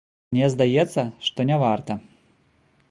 Мне здаецца, што няварта.